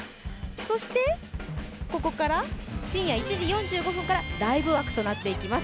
そしてここから深夜１時４５分からライブ枠となっていきます。